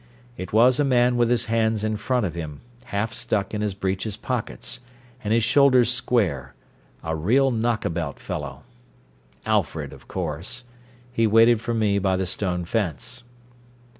It was a man with his hands in front of him, half stuck in his breeches pockets, and his shoulders square a real knock about fellow. Alfred, of course. He waited for me by the stone fence.